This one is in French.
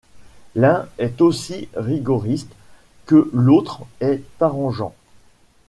L’un est aussi rigoriste que l’autre est arrangeant.